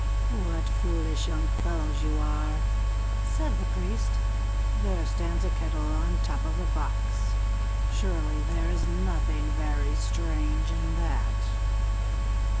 "What foolish young fellows you are!" said the priest. "There stands a kettle on the top of a box; surely there is nothing very strange in that.